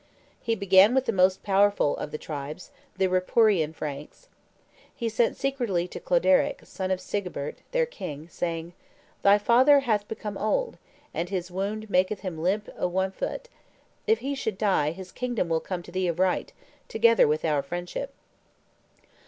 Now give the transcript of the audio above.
He began with the most powerful of the tribes, the Ripuarian Franks. He sent secretly to Cloderic, son of Sigebert, their king, saying, "Thy father hath become old, and his wound maketh him to limp o' one foot; if he should die, his kingdom will come to thee of right, together with our friendship."